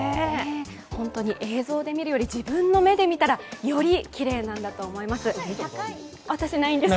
映像で見るより、自分の目で見たらよりきれいなんだと思います。